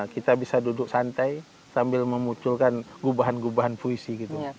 kita bisa duduk santai sambil memunculkan gubahan gubahan puisi gitu